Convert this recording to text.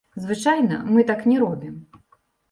Звычайна мы так не робім.